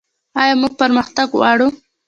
آیا موږ پرمختګ غواړو؟